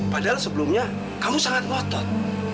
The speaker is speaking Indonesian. padahal sebelumnya kamu sangat ngotot